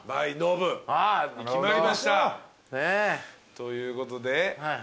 ということで。